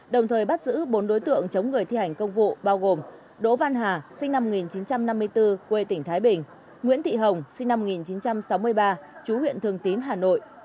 đồng thời bắt giữ bốn đối tượng chống người thi hành công vụ bao gồm đỗ văn hà sinh năm một nghìn chín trăm năm mươi bốn quê tỉnh thái bình nguyễn thị hồng sinh năm một nghìn chín trăm sáu mươi ba chú huyện thường tín hà nội